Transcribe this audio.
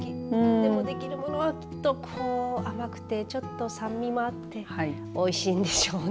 でも、できるものは甘くてちょっと酸味もあっておいしいんでしょうね。